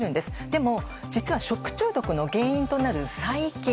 でも、実は食中毒の原因となる細菌